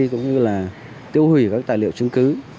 cũng như là tiêu hủy các tài liệu chứng cứ